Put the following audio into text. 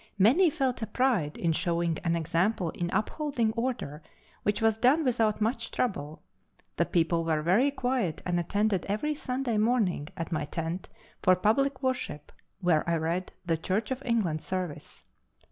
Many felt a pride in showing an example in upholding order, which was done without much trouble. The people were very quiet and attended every Sunday morning at my tent for public worship, where I read the Church of England service.